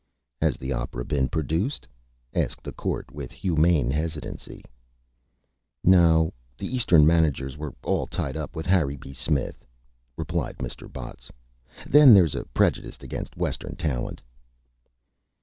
"Has the Opera been produced?" asked the Court, with Humane Hesitancy. "No, the Eastern Managers were all tied up with Harry B. Smith," replied Mr. Botts. "Then there's a Prejudice against Western Talent."